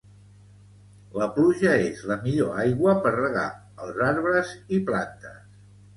La pluja és la millor aigua per regar els arbres i plantes